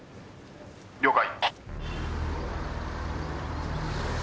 「了解」